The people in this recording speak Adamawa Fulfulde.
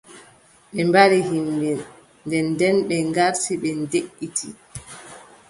Ɓe mbari yimɓe. Nden, nde ɓen garti ɓe deʼiti.